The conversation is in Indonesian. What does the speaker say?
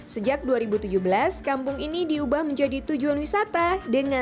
sejak dua ribu tujuh belas kampung ini diubah menjadi tujuan wisata